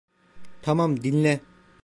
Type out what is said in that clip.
Tamam, dinle.